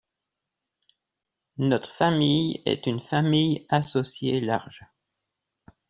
Notre famille est une famille associée large.